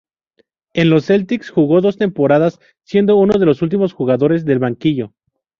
En los Celtics jugó dos temporadas siendo uno de los últimos jugadores del banquillo.